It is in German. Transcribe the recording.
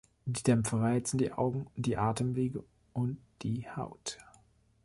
Die Dämpfe reizen die Augen, die Atemwege und die Haut.